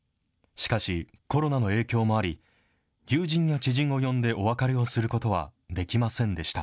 しかし、コロナの影響もあり、友人や知人を呼んでお別れをすることはできませんでした。